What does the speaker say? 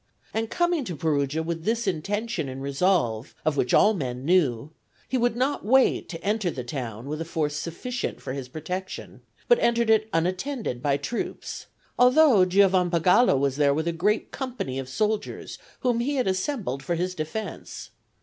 And coming to Perugia with this intention and resolve, of which all men knew, he would not wait to enter the town with a force sufficient for his protection, but entered it unattended by troops, although Giovanpagolo was there with a great company of soldiers whom he had assembled for his defence.